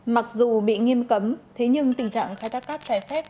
mặc dù bị nghiêm cấm thế nhưng tình trạng khai thác cát trái phép